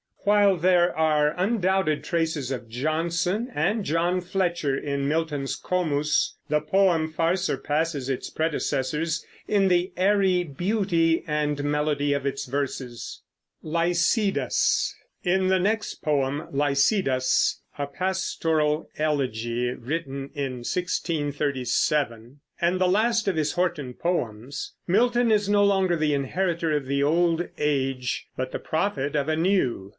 While there are undoubted traces of Jonson and John Fletcher in Milton's "Comus," the poem far surpasses its predecessors in the airy beauty and melody of its verses. In the next poem, "Lycidas," a pastoral elegy written in 1637, and the last of his Horton poems, Milton is no longer the inheritor of the old age, but the prophet of a new.